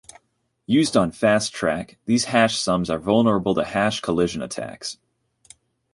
Used on FastTrack, these hash sums are vulnerable to hash collision attacks.